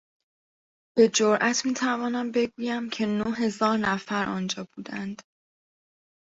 به جرات میتوانم بگویم که نههزار نفر آنجا بودند.